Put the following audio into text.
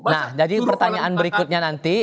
nah jadi pertanyaan berikutnya nanti